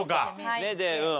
目でうん。